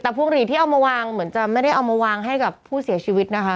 แต่พวงหลีดที่เอามาวางเหมือนจะไม่ได้เอามาวางให้กับผู้เสียชีวิตนะคะ